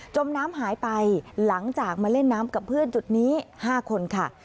มน้ำหายไปหลังจากมาเล่นน้ำกับเพื่อนจุดนี้๕คนค่ะ